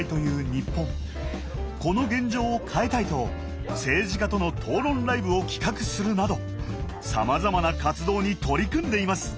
この現状を変えたいと政治家との討論ライブを企画するなどさまざまな活動に取り組んでいます。